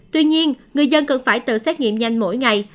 tuy nhiên người dân cần phải tự xét nghiệm nhanh mỗi ngày